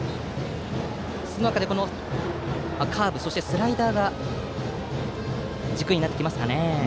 その中でカーブそしてスライダーが軸になってきますかね。